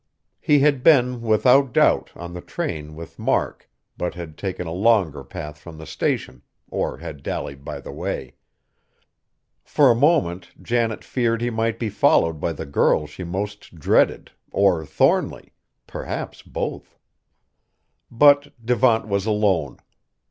He had been, without doubt, on the train with Mark but had taken a longer path from the station, or had dallied by the way. For a moment Janet feared he might be followed by the girl she most dreaded or Thornly, perhaps both. But Devant was alone.